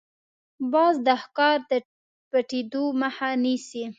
باز د ښکار د پټېدو مخه نیسي